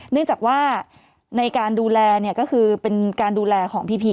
เนื่องจากว่าในการดูแลเนี่ยก็คือเป็นการดูแลของพี่พีช